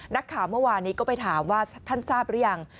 เมื่อวานนี้ก็ไปถามว่าท่านทราบหรือยัง